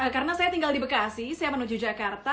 karena saya tinggal di bekasi saya menuju jakarta